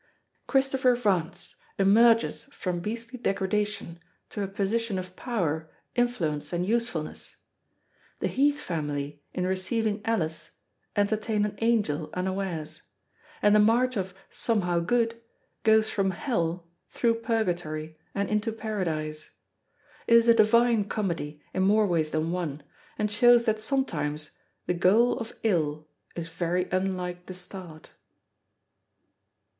Christopher Vance emerges from beastly degradation to a position of power, influence, and usefulness; the Heath family, in receiving Alice, entertain an angel unawares; and the march of Somehow Good goes from hell, through purgatory, and into paradise. It is a divine comedy, in more ways than one; and shows that sometimes the goal of ill is very unlike the start.